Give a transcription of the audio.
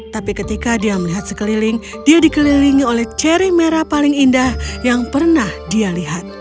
tapi ketika dia melihat sekeliling dia dikelilingi oleh ceri merah paling indah yang pernah dia lihat